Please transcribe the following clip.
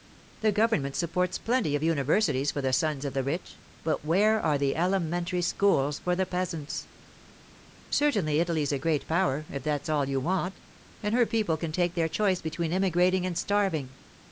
The government supports plenty of universities for the sons of the rich, but where are the elementary schools for the peasants? Certainly Italy's a Great Power—if that's all you want—and her people can take their choice between emigrating and starving.